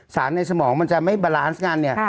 ในสมองมันจะไม่บาลานซ์กันเนี่ย